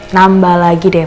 nambah lagi deh pak